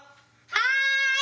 はい！